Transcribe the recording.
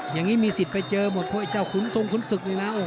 อย่างนี้มีสิทธิ์ไปเจอหมดเพราะไอ้เจ้าขุนทรงขุนศึกนี่นะ